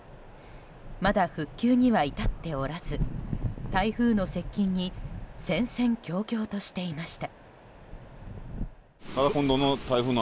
まだ復旧には至っておらず台風の接近に戦々恐々としていました。